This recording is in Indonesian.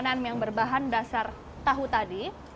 makanan yang berbahan dasar tahu tadi